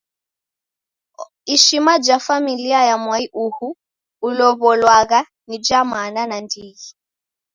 Ishima ja familia ya mwai uhu ulow'olwagha ni ja mana nandighi.